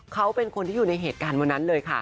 เขาเป็นคนที่อยู่ในเหตุการณ์วันนั้นเลยค่ะ